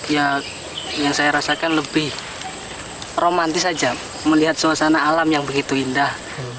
ya yang saya rasakan lebih romantis saja melihat suasana alam yang begitu indah